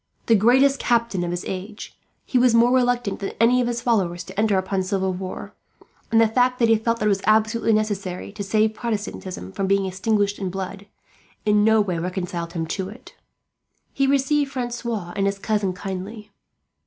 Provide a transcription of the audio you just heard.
The greatest captain of his age, he was more reluctant than any of his followers to enter upon civil war; and the fact that he felt that it was absolutely necessary, to save Protestantism from being extinguished in blood, in no way reconciled him to it. He received Francois and his cousin kindly.